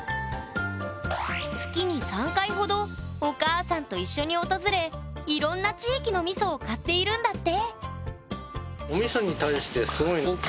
月に３回ほどお母さんと一緒に訪れいろんな地域のみそを買っているんだって！